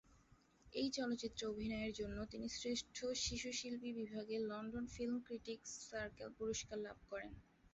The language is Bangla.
এই চলচ্চিত্রে অভিনয়ের জন্য তিনি শ্রেষ্ঠ শিশু শিল্পী বিভাগে লন্ডন ফিল্ম ক্রিটিকস সার্কেল পুরস্কার লাভ করেন।